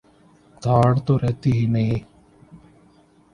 دھاڑ تو رہتی ہی نہیں۔